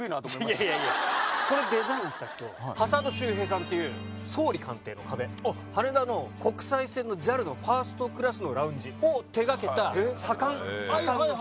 これデザインをした人挾土秀平さんっていう総理官邸の壁羽田の国際線のＪＡＬのファーストクラスのラウンジを手がけた左官左官の人。